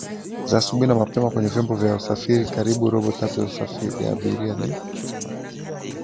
za asubuhi na mapema kwenye vyombo vya usafiri karibu robo tatu ya abiria ni